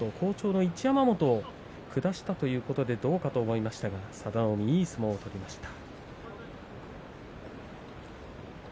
海はきのう好調の一山本を下したということで、どうかと思いましたが佐田の海いい相撲を取りました。